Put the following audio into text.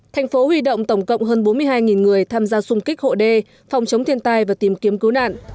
thành phố huy động tổng cộng hơn bốn mươi hai người tham gia xung kích hộ đê phòng chống thiên tai và tìm kiếm cứu nạn